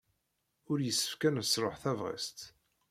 Ur yessefk ad nesṛuḥ tabɣest.